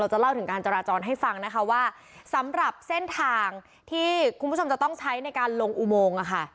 จะเล่าถึงการจราจรให้ฟังนะคะว่าสำหรับเส้นทางที่คุณผู้ชมจะต้องใช้ในการลงอุโมง